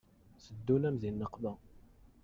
Teddun-am di nneqma.